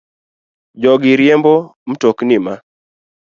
Jogi riembo mtokni ma